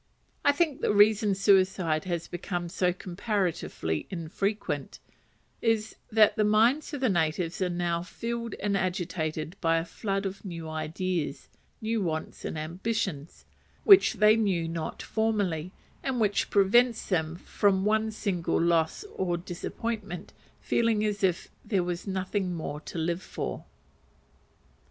I think the reason suicide has become so comparatively unfrequent is, that the minds of the natives are now filled and agitated by a flood of new ideas, new wants and ambitions, which they knew not formerly, and which prevents them, from one single loss or disappointment, feeling as if there was nothing more to live for.